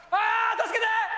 助けて！